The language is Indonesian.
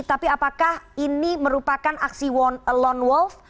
tapi apakah ini merupakan aksi lone wolf